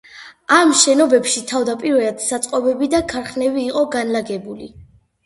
ამ შენობებში თავდაპირველად საწყობები და ქარხნები იყო განლაგებული.